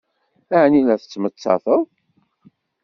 Ɛni la tettmettated?